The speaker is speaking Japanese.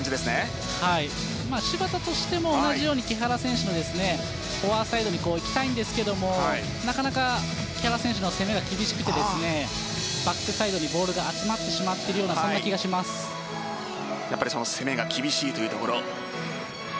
芝田としても同じように木原選手のフォアサイドにいきたいんですがなかなか木原選手の攻めが厳しくてバックサイドにボールが集まってしまっている攻めが厳しいというところ。